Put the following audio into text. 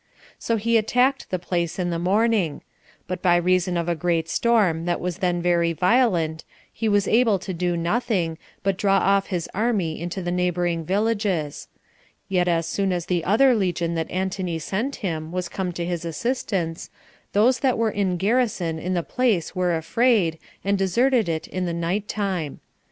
So he attacked the place in the morning; but by reason of a great storm that was then very violent, he was able to do nothing, but drew off his army into the neighboring villages; yet as soon as the other legion that Antony sent him was come to his assistance, those that were in garrison in the place were afraid, and deserted it in the night time.